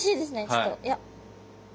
ちょっといや。